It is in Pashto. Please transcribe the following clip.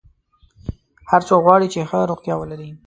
هر څوک غواړي چې ښه روغتیا ولري.